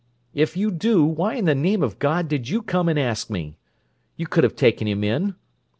If you do, why in the name of God did you come and ask me? You could have taken him in!